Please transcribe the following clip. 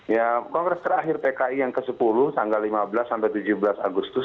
ya kongres terakhir pki yang ke sepuluh tanggal lima belas sampai tujuh belas agustus